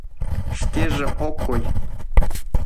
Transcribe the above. Шкеже ок кой.